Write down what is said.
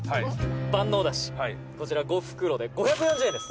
万能だし、こちら５袋で５４０円です」